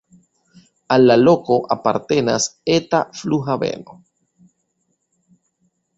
Al la loko apartenas eta flughaveno.